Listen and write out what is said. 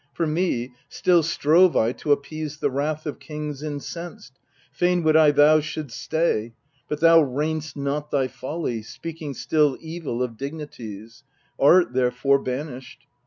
For me still strove I to appease the wrath Of kings incensed : fain would I thou shouldst stay. But thou rein'st not thy folly, speaking still Evil of dignities ; art therefore banished.